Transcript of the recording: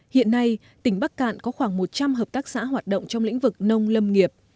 hiện nay tỉnh bắc cạn có khoảng một trăm linh hợp tác xã hoạt động trong lĩnh vực nông lâm nghiệp